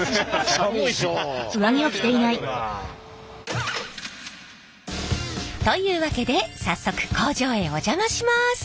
寒いでしょう。というわけで早速工場へお邪魔します。